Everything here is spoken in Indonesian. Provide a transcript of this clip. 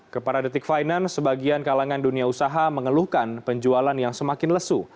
kepada detik finance sebagian kalangan dunia usaha mengeluhkan penjualan yang semakin lesu